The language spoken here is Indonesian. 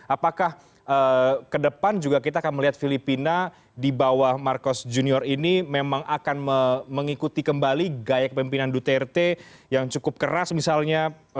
apakah ke depan juga kita akan melihat filipina di bawah marcos junior ini memang akan mengikuti kembali gaya kepemimpinan duterte yang cukup keras misalnya